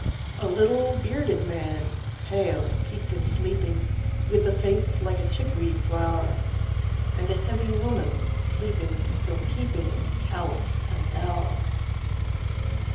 A little, bearded man, pale, peaked in sleeping, With a face like a chickweed flower. And a heavy woman, sleeping still keepingCallous and dour.